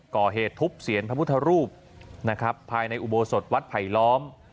ก่อเหตุทุบเซียนพระพุทธรูปนะครับภายในอุโบสถวัดไผลล้อม